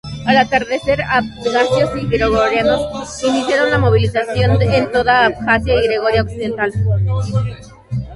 Al atardecer, abjasios y georgianos iniciaron la movilización en toda Abjasia y Georgia occidental.